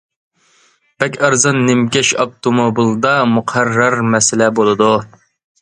بەك ئەرزان نىمكەش ئاپتوموبىلدا مۇقەررەر مەسىلە بولىدۇ.